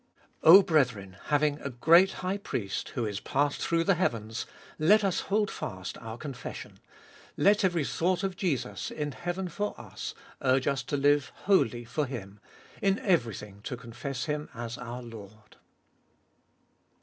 O brethren, having a great High Priest, who is passed 166 abe Iboliest of 2111 through the heavens, let us hold fast our confession. Let every thought of Jesus, in heaven for us, urge us to live wholly for Him ; in everything to confess Him as our Lord.